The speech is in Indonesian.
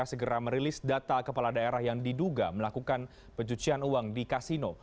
segera merilis data kepala daerah yang diduga melakukan pencucian uang di kasino